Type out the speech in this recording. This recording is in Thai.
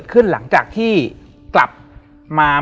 เพื่อที่จะให้แก้วเนี่ยหลอกลวงเค